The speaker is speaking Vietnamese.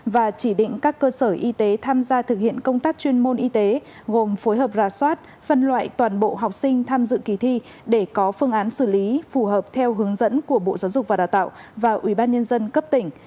và chỉ định các cơ sở y tế tham gia thực hiện công tác chuyên môn y tế gồm phối hợp ra soát phân loại toàn bộ học sinh tham dự kỳ thi để có phương án xử lý phù hợp theo hướng dẫn của bộ giáo dục và đào tạo và ubnd cấp tỉnh